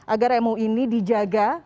agar mui ini dijaga